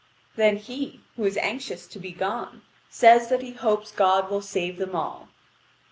Then he, who is anxious to be gone, says that he hopes God will save them all.